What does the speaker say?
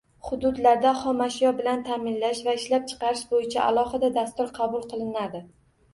Hududlarda xomashyo bilan ta’minlash va ishlab chiqarish bo‘yicha alohida dastur qabul qilinadi.